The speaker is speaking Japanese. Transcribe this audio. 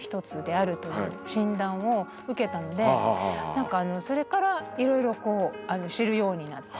なんかそれからいろいろ知るようになって。